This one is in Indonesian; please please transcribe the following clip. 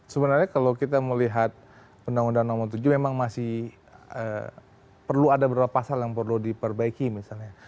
sebenarnya kalau kita melihat undang undang nomor tujuh memang masih perlu ada beberapa pasal yang perlu diperbaiki misalnya